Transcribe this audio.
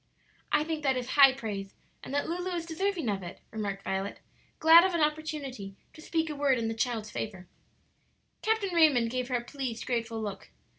"I think that is high praise, and that Lulu is deserving of it," remarked Violet, glad of an opportunity to speak a word in the child's favor. Captain Raymond gave her a pleased, grateful look.